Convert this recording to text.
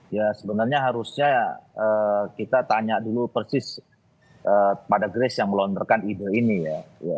ya sebenarnya harusnya kita tanya dulu persis pada grace yang melontarkan ide ini ya